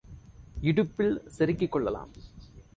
இடுப்பில் செருகிக் கொள்ளலாம்.